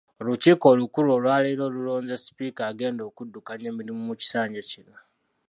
Olukiiko olukulu olwaleero lulonze sipiika agenda okuddukanya emirimu mu kisanja kino .